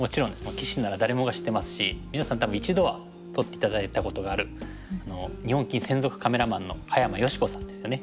棋士なら誰もが知ってますし皆さん多分一度は撮って頂いたことがある日本棋院専属カメラマンの香山由志子さんですよね。